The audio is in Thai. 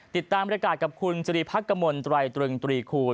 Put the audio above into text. ติดตามบรรยากาศกับคุณจริพักกมลไตรตรึงตรีคูณ